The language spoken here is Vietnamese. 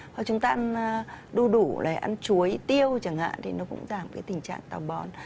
hoặc chúng ta ăn đu đủ là ăn chuối tiêu chẳng hạn thì nó cũng giảm cái tình trạng tàu bón